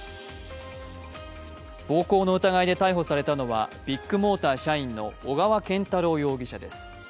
暴行の疑いで逮捕されたのは、ビッグモーター社員の小川堅太郎容疑者です。